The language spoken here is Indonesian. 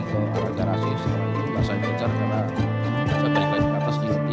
ke arahnya rasi rasi